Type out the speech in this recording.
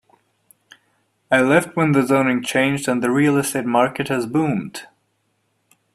I left when the zoning changed and the real estate market has boomed.